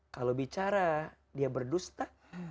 kalau bicara dia berdusta